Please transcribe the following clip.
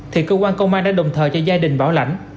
thì cơ quan công an đã đồng thời cho gia đình bảo lãnh